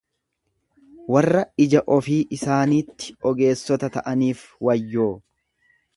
Warra ija ofii isaaniitti ogeessota ta'aniif wayyoo!